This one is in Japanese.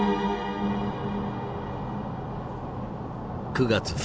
９月２